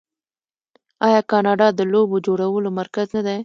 آیا کاناډا د لوبو جوړولو مرکز نه دی؟